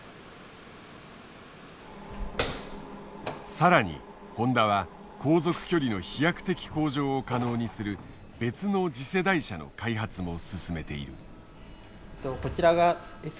さらにホンダは航続距離の飛躍的向上を可能にする別の次世代車の開発も進めている。